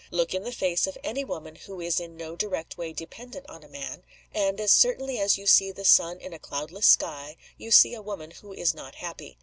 Look in the face of any woman who is in no direct way dependent on a man: and, as certainly as you see the sun in a cloudless sky, you see a woman who is not happy.